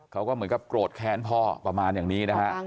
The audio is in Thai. เขาก็เหมือนกับโกรธแค้นพ่อประมาณอย่างนี้นะฮะ